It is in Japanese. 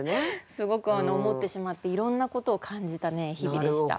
すごく思ってしまっていろんなことを感じた日々でした。